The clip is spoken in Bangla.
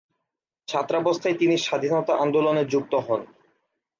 ছাত্রাবস্থায় তিনি স্বাধীনতা আন্দোলনে যুক্ত হন।